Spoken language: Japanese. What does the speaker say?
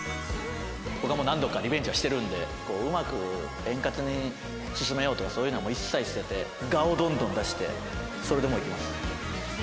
僕はもう何度かリベンジはしてるんでうまく円滑に進めようとかそういうのはもう一切捨てて我をどんどん出してそれでもういきます。